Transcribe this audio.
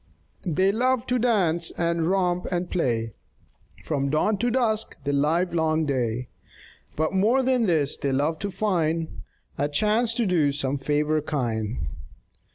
They love to dance and romp and play From dawn to dusk the livelong day, But more than this they love to find A chance to do some favor kind.